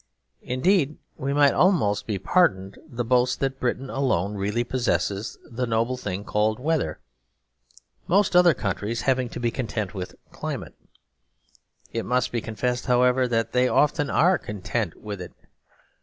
Indeed we might almost be pardoned the boast that Britain alone really possesses the noble thing called weather; most other countries having to be content with climate. It must be confessed, however, that they often are content with it.